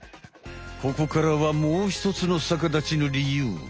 ここからはもうひとつの逆立ちの理由。